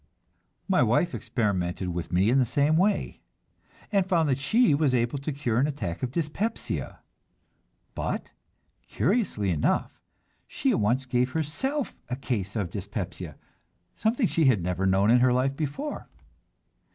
My wife experimented with me in the same way, and found that she was able to cure an attack of dyspepsia; but, curiously enough, she at once gave herself a case of dyspepsia something she had never known in her life before.